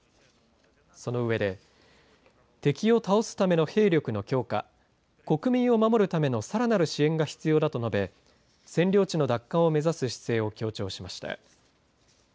そのうえで敵を倒すための兵力の強化、国民を守るためのさらなる支援が必要だと述べ占領地の奪還を目指す姿勢を強調しました。